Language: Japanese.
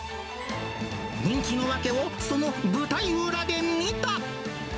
人気の訳を、その舞台裏で見た。